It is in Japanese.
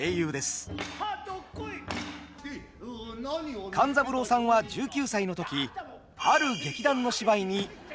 勘三郎さんは１９歳の時ある劇団の芝居に大きな衝撃を受けました。